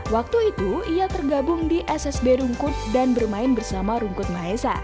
waktu itu ia tergabung di ssb rungkut dan bermain bersama rungkut mahesa